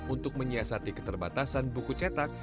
untuk menyiasati keterbatasan buku cetak